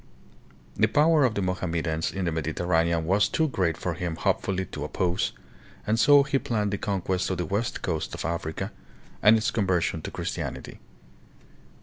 The power of the Mohammedans in the Mediterranean was too great for him hopefully to oppose and so he planned the conquest of the west coast 61 62 THE PHILIPPINES. of Africa, and its conversion to Christianity.